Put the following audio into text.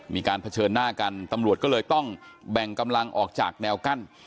เผชิญหน้ากันตำรวจก็เลยต้องแบ่งกำลังออกจากแนวกั้น